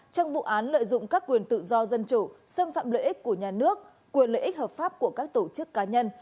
trong vụ án lợi dụng các quyền tự do dân chủ xâm phạm lợi ích của nhà nước quyền lợi ích hợp pháp của các tổ chức cá nhân